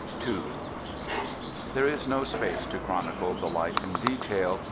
II There is no space to chronicle the life in detail.